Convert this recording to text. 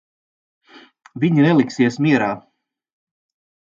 Viņi neliksies mierā.